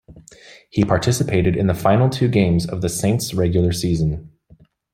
He participated in the final two games of the Saints' regular season.